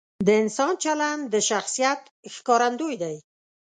د انسان چلند د شخصیت ښکارندوی دی.